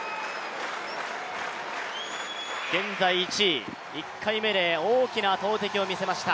現在１位、１回目で大きな投てきを見せました。